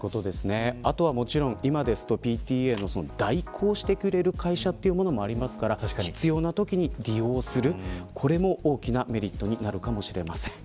あとは、もちろん今だとＰＴＡを代行してくれる会社もありますから必要なときに利用するこれも大きなメリットになるかもしれません。